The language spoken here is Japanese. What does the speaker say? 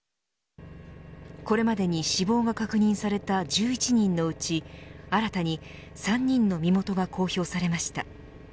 これまでに死亡が確認された１１人のうち新たに３人の身元が公表されました。